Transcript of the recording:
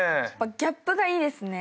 ギャップがいいですね。